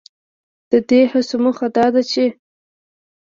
ددې هڅو موخه دا ده چې